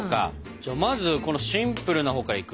じゃあまずこのシンプルなほうからいく？